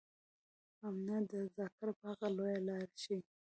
امنا ده ذاکره په هغه لويه لاښي.